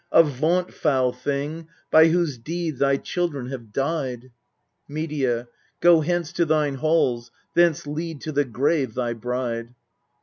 A vaunt, foul thing by whose deed thy children have died ! Medea. Go hence to thine halls, thence lead to the grave thy bride